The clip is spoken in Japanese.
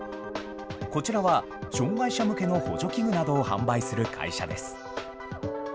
こちらは、障害者向けの補助器具などを販売する会社です。